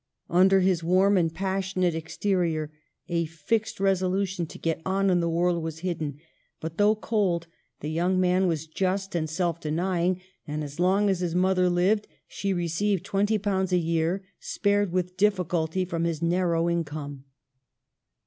Under his warm and passionate ex terior a fixed resolution to get on in the world was hidden ; but, though cold, the young man was just and self denying, and as long as his mother lived she received twenty pounds a year, spared with difficulty from his narrow income.